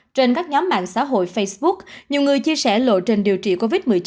trên các nhóm mạng xã hội facebook nhiều người chia sẻ lộ trình điều trị covid một mươi chín